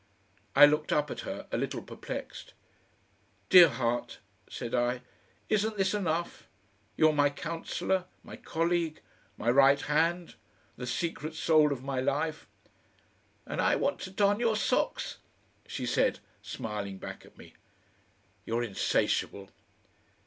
I looked up at her, a little perplexed. "Dear heart," said I, "isn't this enough? You're my councillor, my colleague, my right hand, the secret soul of my life " "And I want to darn your socks," she said, smiling back at me. "You're insatiable."